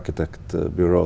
tôi sẽ nói